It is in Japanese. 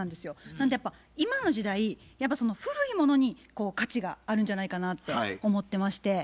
なんでやっぱ今の時代古いものに価値があるんじゃないかなって思ってまして。